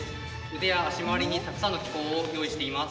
腕や足周りにたくさんの機構を用意しています。